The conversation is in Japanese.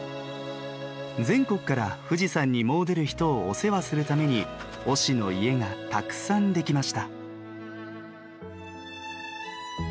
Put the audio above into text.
全国から富士山に詣でる人をお世話するために御師の家がたくさん出来ました。